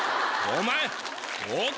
お前。